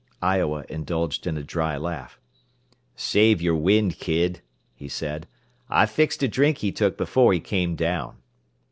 Iowa indulged in a dry laugh. "Save your wind, kid," he said. "I fixed a drink he took before he came down."